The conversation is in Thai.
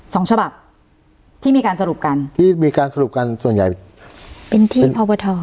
สองฉบับที่มีการสรุปกันที่มีการสรุปกันส่วนใหญ่เป็นทีมพบท